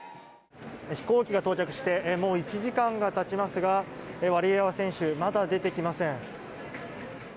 飛行機が到着してもう１時間がたちますがワリエワ選手まだ出てきません。